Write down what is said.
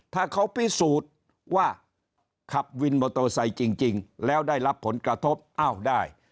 ถ้าเขาพิสูจน์ว่าขับวินมอเตอร์ไซค์จริงแล้วได้รับผลกระทบอ้าวได้